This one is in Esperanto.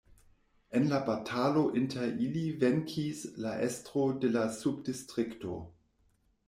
En la batalo inter ili venkis la estro de la subdistrikto.